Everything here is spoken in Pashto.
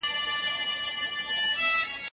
که وخت وي، ليکنه کوم.